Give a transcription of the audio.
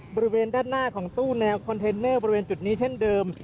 บริเวณด้านหน้าของตู้แนวคอนเทนเนอร์บริเวณจุดนี้เช่นเดิม